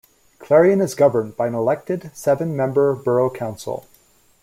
Clarion is governed by an elected, seven member Borough Council.